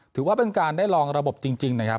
ถือว่าเป็นการได้ลองระบบจริงนะครับ